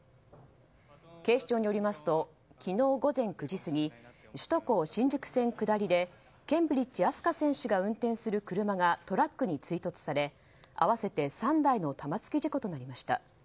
警視庁によりますと昨日午前９時過ぎ首都高新宿線下りでケンブリッジ飛鳥選手が運転する車がトラックに追突され合わせて３台の玉突き事故となりました。